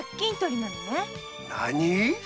何！？